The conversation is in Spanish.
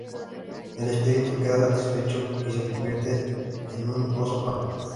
El espíritu queda satisfecho, y se convierte en un oso panda.